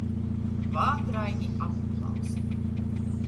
Vātraini aplausi.